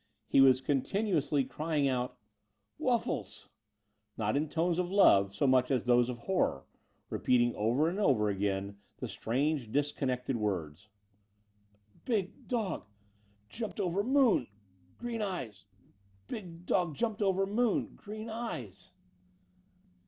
He was continuously crying out Wuffles," not in tones of love so much as those of horror, repeating over and over again the strange disconnected words :'* Big dog ... jumped over moon ... green eyes ... big dog ... jumped over moon ... green eyes."